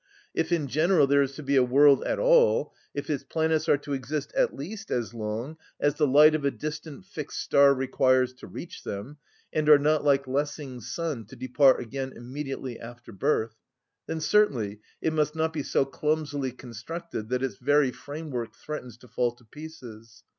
If in general there is to be a world at all, if its planets are to exist at least as long as the light of a distant fixed star requires to reach them, and are not, like Lessing's son, to depart again immediately after birth, then certainly it must not be so clumsily constructed that its very framework threatens to fall to pieces.